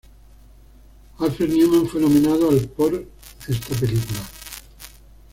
Alfred Newman fue nominado al por esta película.